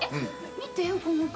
見てこの顔。